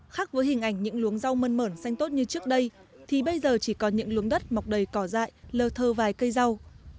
khác với hình ảnh những luống rau mân mởn xanh tốt như trước đây thì bây giờ chỉ có những luống đất mọc đầy cỏ dại lờ thơ vài cây rau